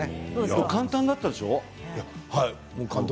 簡単だったでしょう？